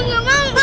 kenapa ali adam